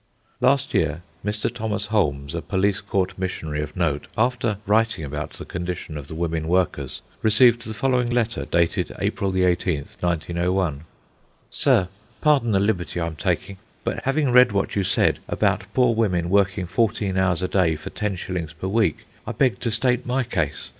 Last year, Mr. Thomas Holmes, a police court missionary of note, after writing about the condition of the women workers, received the following letter, dated April 18, 1901:— Sir,—Pardon the liberty I am taking, but, having read what you said about poor women working fourteen hours a day for ten shillings per week, I beg to state my case.